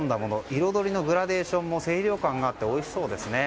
彩りのグラデーションも清涼感があっておいしそうですね。